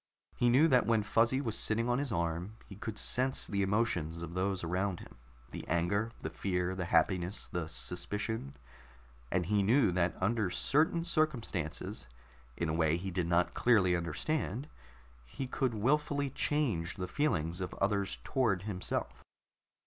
He knew that when Fuzzy was sitting on his arm he could sense the emotions of those around him the anger, the fear, the happiness, the suspicion and he knew that under certain circumstances, in a way he did not clearly understand, he could wilfully change the feelings of others toward himself.